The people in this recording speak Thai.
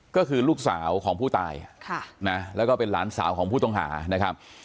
ก็คือลูกสาวของผู้ตายแล้วก็เป็นหลานสาวของผู้ต้องหานะครับ